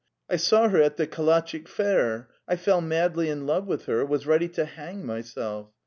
I saw her at the Kalatchik fair; I fell madly in love with her, was ready to hang my self.